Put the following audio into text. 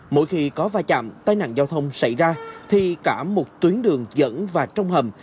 mỗi khi có va chạm tai nạn giao thông xảy ra thì cả một tuyến đường dẫn và trong hầm